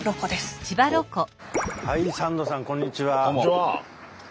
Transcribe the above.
こんにちは！